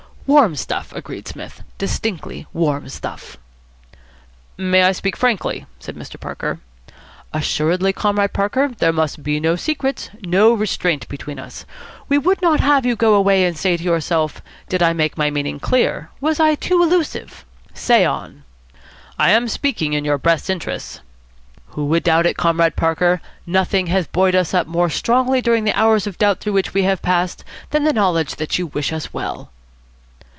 "Warm stuff," agreed Psmith. "Distinctly warm stuff." "May I speak frankly?" said Mr. Parker. "Assuredly, Comrade Parker. There must be no secrets, no restraint between us. We would not have you go away and say to yourself, 'Did I make my meaning clear? Was I too elusive?' Say on." "I am speaking in your best interests." "Who would doubt it, Comrade Parker. Nothing has buoyed us up more strongly during the hours of doubt through which we have passed than the knowledge that you wish us well."